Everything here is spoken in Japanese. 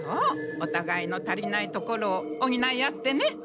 おたがいの足りないところをおぎない合ってね。